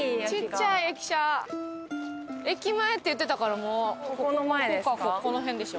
駅前って言ってたからもうここかこの辺でしょ？